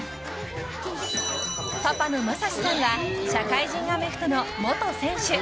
パパの雅史さんは社会人アメフトの元選手。